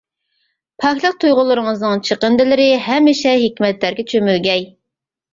پاكلىق تۇيغۇلىرىڭىزنىڭ چېقىندىلىرى ھەمىشە ھېكمەتلەرگە چۆمۈلگەي.